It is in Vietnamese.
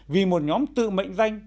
vì một nhóm tự mệnh danh